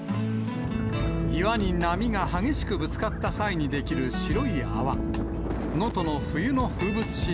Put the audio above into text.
岩に波が激しくぶつかった際に出来る白い泡。